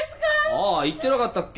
ああ言ってなかったっけ？